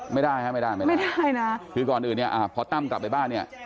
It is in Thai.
ไม่ได้ฮะไม่ได้ไม่ได้นะคือก่อนอื่นเนี่ยพอตั้มกลับไปบ้านเนี่ย